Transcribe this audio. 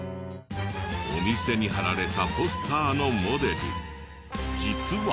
お店に貼られたポスターのモデル実は。